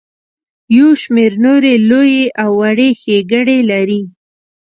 یو شمیر نورې لویې او وړې ښیګړې لري.